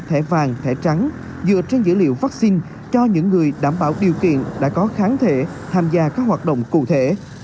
thẻ vàng thẻ trắng dựa trên dữ liệu vaccine cho những người đảm bảo điều kiện đã có kháng thể tham gia các hoạt động cụ thể